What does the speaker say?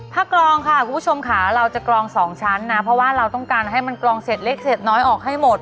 กรองค่ะคุณผู้ชมค่ะเราจะกรองสองชั้นนะเพราะว่าเราต้องการให้มันกรองเสร็จเล็กเสร็จน้อยออกให้หมด